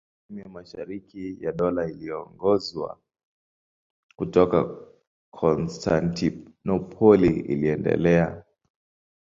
Sehemu ya mashariki ya Dola iliyoongozwa kutoka Konstantinopoli iliendelea.